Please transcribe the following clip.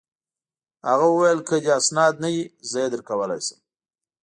هغه وویل: که دي اسناد نه وي، زه يې درکولای شم.